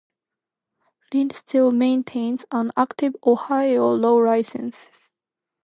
Lynd still maintains an active Ohio law license.